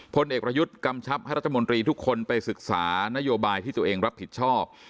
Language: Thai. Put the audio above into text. พลเอกประยุทธ์กำชับให้รัฐมนตรีทุกคนไปศึกษานโยบายที่ตัวเองรับผิดชอบ